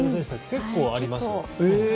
結構ありますね。